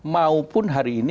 maupun hari ini